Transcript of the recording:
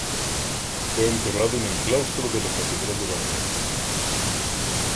Fue enterrado en el claustro de la catedral de Badajoz.